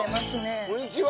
こんにちは！